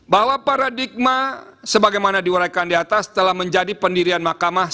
bahwa paradigma sebagaimana diuraikan di atas telah menjadi pendirian mahkamah